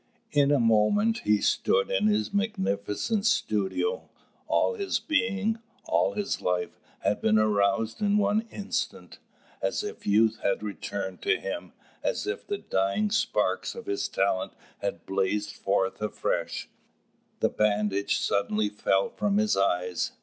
In a moment he stood in his magnificent studio. All his being, all his life, had been aroused in one instant, as if youth had returned to him, as if the dying sparks of his talent had blazed forth afresh. The bandage suddenly fell from his eyes.